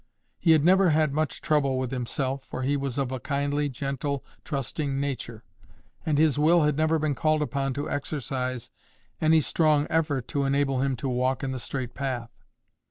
He had never had much trouble with himself, for he was of a kindly, gentle, trusting nature; and his will had never been called upon to exercise any strong effort to enable him to walk in the straight path.